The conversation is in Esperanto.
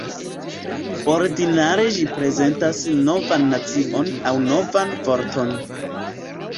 Ordinare ĝi prezentas novan nocion aŭ novan vorton.